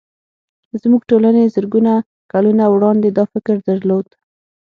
زموږ ټولنې زرګونه کلونه وړاندې دا فکر درلود